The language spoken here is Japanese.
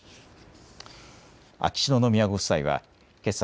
秋篠宮ご夫妻はけさ